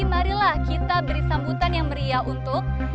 marilah kita beri sambutan yang meriah untuk